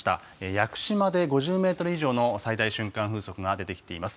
屋久島で５０メートル以上が最大瞬間風速が出てきています。